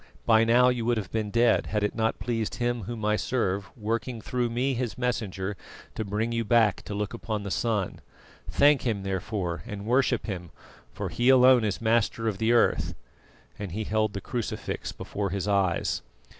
By now you would have been dead, had it not pleased Him Whom I serve, working through me, His messenger, to bring you back to look upon the sun. Thank Him, therefore, and worship Him, for He alone is Master of the Earth," and he held the crucifix before his eyes.